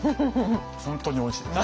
本当においしいです。